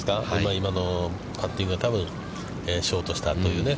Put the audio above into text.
今のパッティングは多分ショートしたというね。